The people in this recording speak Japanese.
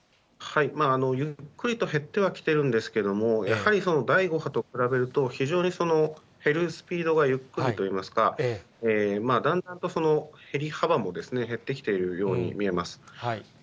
ゆっくりと減ってはきているんですけれども、やはり第５波と比べると、非常に減るスピードがゆっくりといいますか、だんだんと、減り幅も減ってきているように見えます。